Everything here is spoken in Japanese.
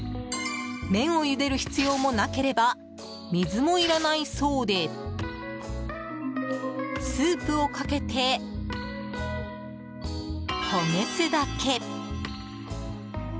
麺をゆでる必要もなければ水もいらないそうでスープをかけて、ほぐすだけ。